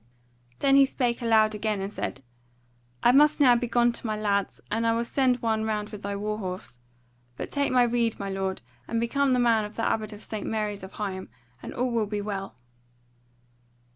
Then he spake aloud again, and said: "I must now begone to my lads, and I will send one round with thy war horse. But take my rede, my lord, and become the man of the Abbot of St. Mary's of Higham, and all will be well."